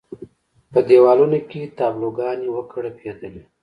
په دېوالونو کې تابلو ګانې وکړپېدلې.